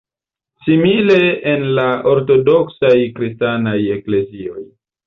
Simile en la ortodoksaj kristanaj eklezioj.